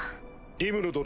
リムル殿。